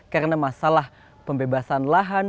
karena masalah pembebasan lahan